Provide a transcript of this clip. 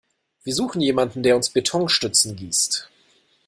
Wir suchen jemanden, der uns Betonstützen gießt.